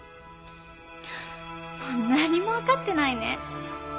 もう何も分かってないね